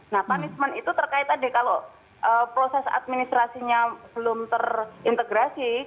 nah punishment itu terkaitan kalau proses administrasinya belum terintegrasi